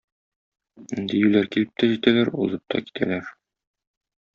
Диюләр килеп тә җитәләр, узып та китәләр.